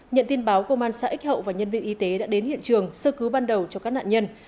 nhận tin báo công an xã x hậu và nhân viên y tế đã đến hiện trường sơ cứu ban đầu cho các nạn nhân